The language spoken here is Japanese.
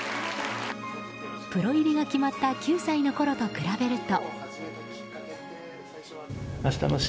プロ入りが決まった９歳のころと比べると。